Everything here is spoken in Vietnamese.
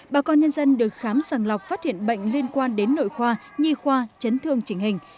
bà con nhân dân được khám sàng lọc phát hiện bệnh liên quan đến nội khoa nhi khoa chấn thương chỉnh hình